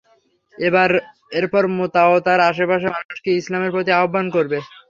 এরপর মুতা ও তার আশেপাশের মানুষকে ইসলামের প্রতি আহবান করবে।